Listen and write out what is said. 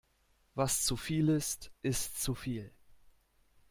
Was zu viel ist, ist zu viel.